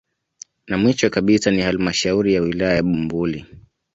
Na mwisho kabisa ni halmashauri ya wilaya ya Bumbuli